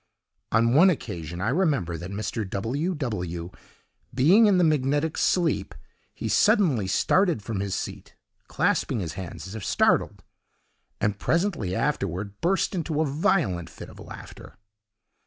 On one occasion, I remember that Mr. W—— W—— being in the magnetic sleep, he suddenly started from his seat, clasping his hands as if startled, and presently afterward burst into a violent fit of laughter.